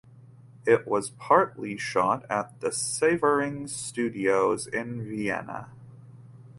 It was partly shot at the Sievering Studios in Vienna.